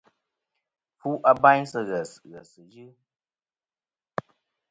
Fu abayn sɨ̂ ghès ghèsɨ̀ yɨ.